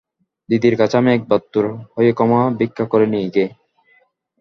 দিদির কাছে আমি একবার তোর হয়ে ক্ষমা ভিক্ষা করে নিই গে।